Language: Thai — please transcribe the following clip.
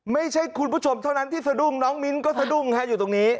ไม่ใช่คุณผู้ชมเท่านั้นที่สะดุ้งน้องมิ้นก็สะดุ้งอยู่ตรงนี้